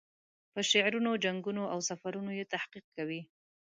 په شعرونو، جنګونو او سفرونو یې تحقیق کوي.